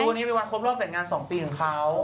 วันนี้เป็นวันครบรอบแต่งงาน๒ปีของเขา